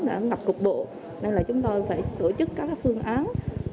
đã ngập cục bộ nên là chúng tôi phải tổ chức các phương án